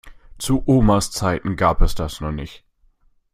Zu Omas Zeiten gab es das noch nicht.